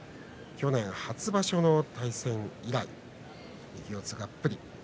去年初場所の対戦以来右四つがっぷり。